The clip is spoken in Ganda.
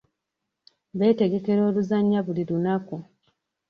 Beetegekera oluzannya buli lunaku.